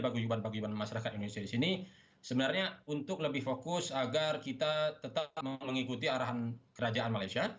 bagi masyarakat indonesia di sini sebenarnya untuk lebih fokus agar kita tetap mengikuti arahan kerajaan malaysia